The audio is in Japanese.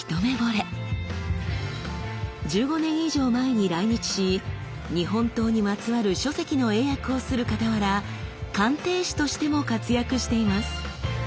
１５年以上前に来日し日本刀にまつわる書籍の英訳をするかたわら鑑定士としても活躍しています。